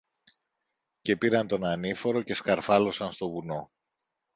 Και πήραν τον ανήφορο και σκαρφάλωσαν στο βουνό.